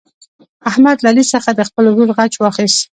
احمد له علي څخه د خپل ورور غچ واخیست.